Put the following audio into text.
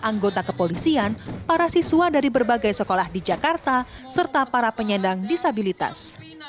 anggota kepolisian para siswa dari berbagai sekolah di jakarta serta para penyandang disabilitas